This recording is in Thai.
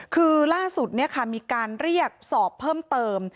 คือล่าสุดมีการเรียกสอบเพิ่มเติม